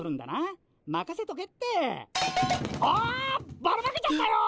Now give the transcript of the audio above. ばらまけちゃったよ！